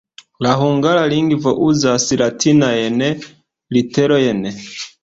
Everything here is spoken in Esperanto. La hungara lingvo uzas latinajn literojn.